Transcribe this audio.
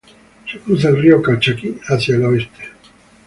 Se cruza el Río Calchaquí hacia el oeste.